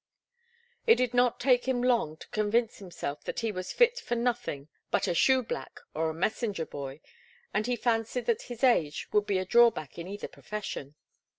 It did not take him long to convince himself that he was fit for nothing but a shoeblack or a messenger boy, and he fancied that his age would be a drawback in either profession.